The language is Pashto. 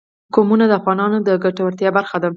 قومونه د افغانانو د ګټورتیا برخه ده.